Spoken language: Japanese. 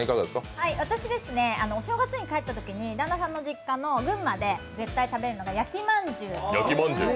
私、お正月に帰ったときに旦那さんの実家の群馬で絶対食べるのが焼きまんじゅう。